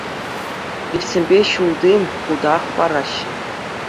Лифтсемпе ҫӳлти хута хӑпараҫҫӗ.